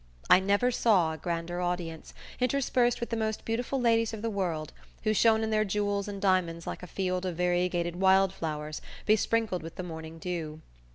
I never saw a grander audience, interspersed with the most beautiful ladies of the world, who shone in their jewels and diamonds like a field of variegated wild flowers, besprinkled with the morning dew.